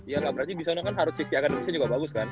ya nggak berarti di sana kan harus sisi akademisnya juga bagus kan